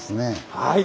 はい！